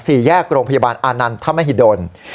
สี่แยกโรงพยาบาลอานันทมหิดล